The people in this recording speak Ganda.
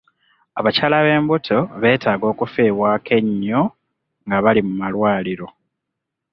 Abakyala ab'embuto beetaaga okufiibwako ennyo nga bali mu malwaliro.